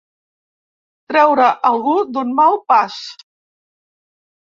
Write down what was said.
Treure algú d'un mal pas.